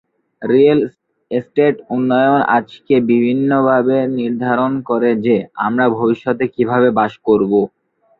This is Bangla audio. রিয়েল এস্টেট উন্নয়ন আজকে বিভিন্নভাবে নির্ধারণ করে যে আমরা ভবিষ্যতে কীভাবে বাস করব।